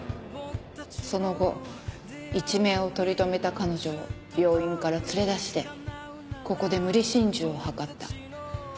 その後一命を取り留めた彼女を病院から連れ出してここで無理心中を図った。